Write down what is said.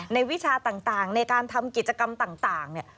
ในวิชาต่างในการทำกิจกรรมต่าง